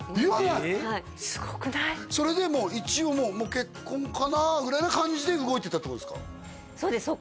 はいそれでもう一応結婚かなぐらいな感じで動いてったってことですか？